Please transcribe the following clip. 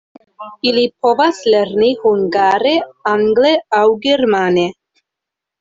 Ili povas lerni hungare, angle aŭ germane.